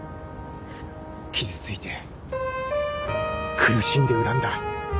傷ついて苦しんで恨んだ。